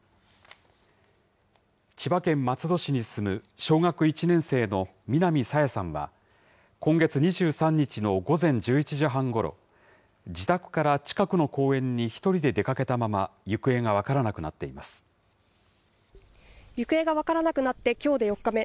千葉県松戸市に住む小学１年生の南朝芽さんは、今月２３日の午前１１時半ごろ、自宅から近くの公園に１人で出かけたまま、行方が分からなくなっ行方が分からなくなってきょうで４日目。